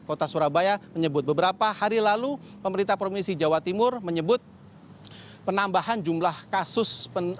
kota surabaya menyebut beberapa hari lalu pemerintah provinsi jawa timur menyebut penambahan jumlah kasus